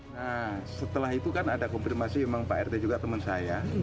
nah setelah itu kan ada konfirmasi memang pak rt juga teman saya